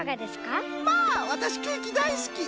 まあわたしケーキだいすき！